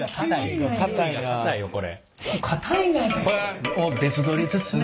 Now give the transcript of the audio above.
これはもう別撮りですね。